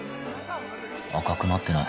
赤くなってない